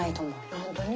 本当に？